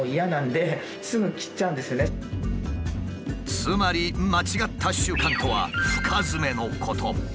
つまり間違った習慣とは深ヅメのこと。